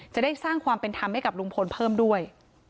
จะได้สร้างความเป็นธรรมให้กับลุงพลเพิ่มด้วย